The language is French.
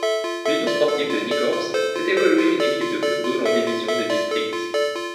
L'Union sportive de Nicorps fait évoluer une équipe de football en division de district.